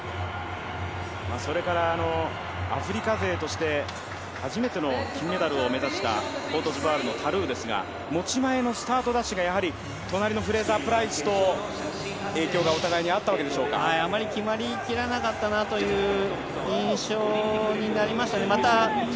アフリカ勢として初めての金メダルを目指したコートジボワールのタ・ルーですが持ち前のスタートダッシュが隣のフレイザー・プライスとの影響がお互いにあったわけでしょうあまり決まりきらなかったなっという印象になりましたね。